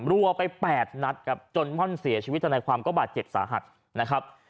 รัวไป๘นัดครับจนม่อนเสียชีวิตธนายความก็บาดเจ็บสาหัสนะครับ